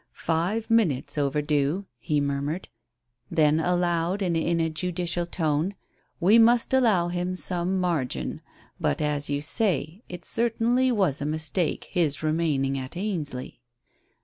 "Five minutes overdue," he murmured. Then aloud and in a judicial tone: "We must allow him some margin. But, as you say, it certainly was a mistake his remaining at Ainsley."